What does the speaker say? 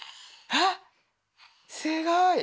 あっすごい！